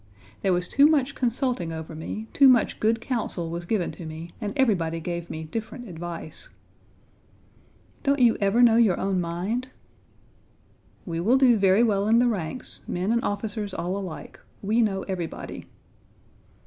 "There was too much consulting over me, too much good counsel was given to me, and everybody gave me different advice." "Don't you ever know your own mind?" "We will do very well in the ranks; men and officers all alike; we know everybody."